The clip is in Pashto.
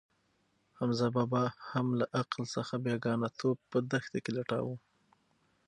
حمزه بابا هم له عقل څخه بېګانه توب په دښته کې لټاوه.